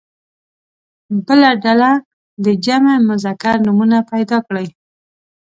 بله ډله دې جمع مذکر نومونه پیدا کړي.